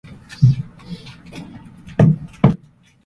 ガラスは傷ついていて、ガラスの向こうは真っ暗で何もない